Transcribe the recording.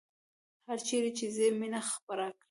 هرچیرې چې ځئ مینه خپره کړئ